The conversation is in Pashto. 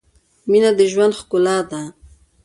• مینه د ژوند ښکلا ده.